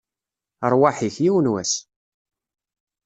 Rrwaḥ-ik, yiwen n wass!